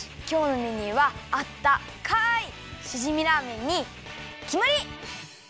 きょうのメニューはあったかいしじみラーメンにきまり！